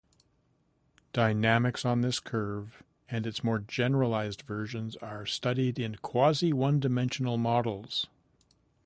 Dynamics on this curve and its more generalized versions are studied in quasi-one-dimensional models.